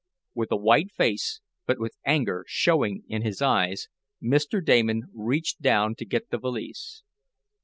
With a white face, but with anger showing in his eyes Mr. Damon reached down to get the valise.